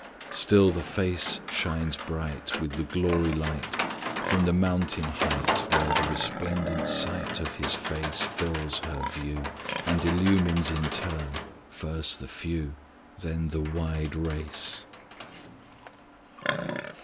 "Still the face shines bright With the glory light From the mountain height. Where the resplendent sight Of His face Fills her view And illumines in turn First the few, Then the wide race."